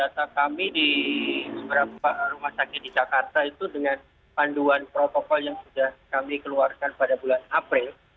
data kami di beberapa rumah sakit di jakarta itu dengan panduan protokol yang sudah kami keluarkan pada bulan april